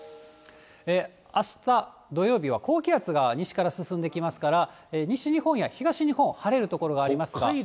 あした土曜日は高気圧が西から進んできますから、西日本や東日本、晴れる所がありますが。